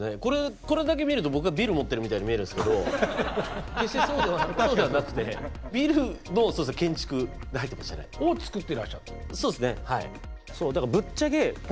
これだけ見ると僕がビル持ってるみたいに見えるんですけど決してそうではなくてビルの建築で入ってましたね。をつくってらっしゃった？